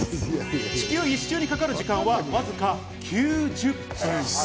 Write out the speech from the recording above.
地球一周にかかる時間はわずか９０分。